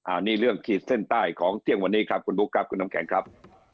อันนี้เรื่องขีดเส้นใต้ของเที่ยงวันนี้ครับคุณบุ๊คครับคุณน้ำแข็งครับ